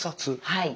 はい。